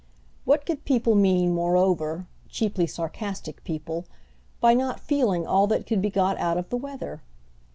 What could people mean moreover—cheaply sarcastic people—by not feeling all that could be got out of the weather?